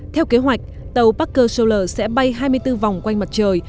theo kế hoạch tàu parker solar sẽ bay hai mươi bốn vòng quanh mặt trời